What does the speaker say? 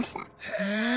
へえ！